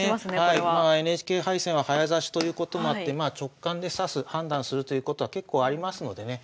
ＮＨＫ杯戦は早指しということもあって直感で指す判断するということは結構ありますのでね